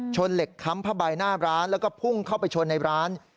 เหล็กค้ำผ้าใบหน้าร้านแล้วก็พุ่งเข้าไปชนในร้าน